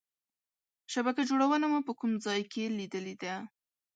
شبکه جوړونه مو په کوم ځای کې لیدلې ده؟